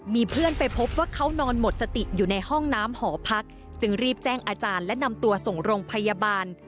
มีเพื่อนไปพบว่าเขานอนหมดสติอยู่ในห้องน้ำหอพักจึงรีบแจ้งอาจารย์และนำตัวส่งโรงพยาบาล